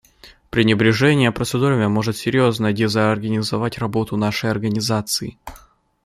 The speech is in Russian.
Пренебрежение процедурами может серьезно дезорганизовать работу нашей Организации.